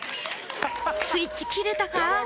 スイッチ切れたか？